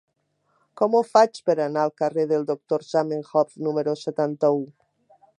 Com ho faig per anar al carrer del Doctor Zamenhof número setanta-u?